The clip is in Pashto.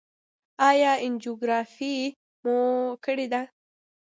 ایا انجیوګرافي مو کړې ده؟